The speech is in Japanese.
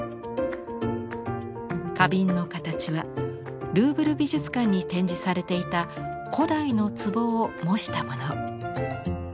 花瓶の形はルーブル美術館に展示されていた古代の壷を模したもの。